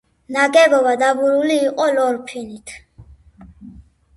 ნაგებობა დაბურული იყო ლორფინით.